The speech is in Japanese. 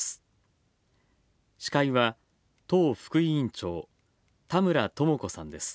司会は、党副委員長田村智子さんです。